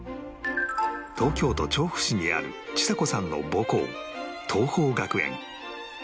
東京都調布市にあるちさ子さんの母校桐朋学園